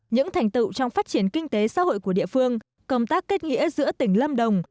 những thành tựu trong phát triển kinh tế xã hội của địa phương công tác kết nghĩa giữa tỉnh lâm đồng